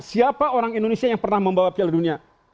siapa orang indonesia yang pernah membawa piala dunia